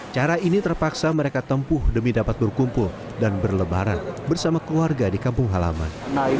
cara ini terpaksa mereka tempuh demi dapat berkumpul dan berlebaran bersama keluarga di kampung halaman